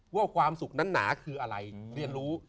ว่าความสุขนั้นหนาคืออะไรเดี๋ยวเรารู้